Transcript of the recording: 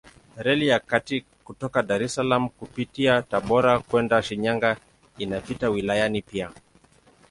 Reli ya kati kutoka Dar es Salaam kupitia Tabora kwenda Shinyanga inapita wilayani pia.